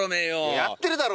やってるだろ！